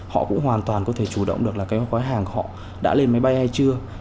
họ cũng hoàn toàn có thể chủ động được là cái gói hàng họ đã lên máy bay hay chưa